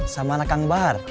sama anak kang bahar